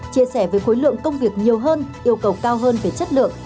chia sẻ với khối lượng công việc nhiều hơn yêu cầu cao hơn về chất lượng